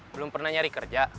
belum pernah nyari kerja